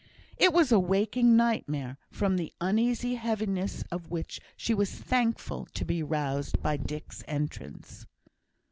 It was a waking nightmare, from the uneasy heaviness of which she was thankful to be roused by Dick's entrance.